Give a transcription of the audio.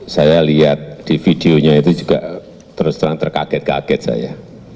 saya lihat di videonya itu juga terus terang terkaget kaget saya